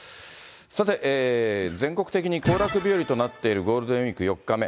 さて、全国的に行楽日和となっているゴールデンウィーク４日目。